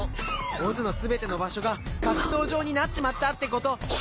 ＯＺの全ての場所が格闘場になっちまったってこと。